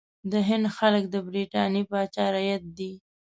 د هند خلک د برټانیې پاچا رعیت دي.